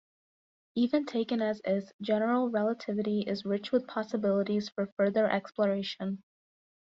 Even taken as is, general relativity is rich with possibilities for further exploration.